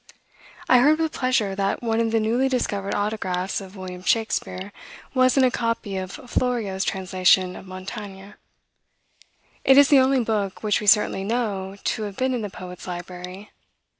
I heard with pleasure that one of the newly discovered autographs of William Shakspeare was in a copy of Florio's translation of Montaigne. It is the only book which we certainly know to have been in the poet's library.